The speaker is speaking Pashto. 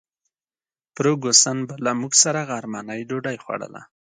فرګوسن به له موږ سره غرمنۍ ډوډۍ خوړله.